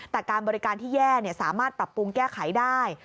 แต่การบริการที่แย่สามารถปรับปรุงแก้ไขได้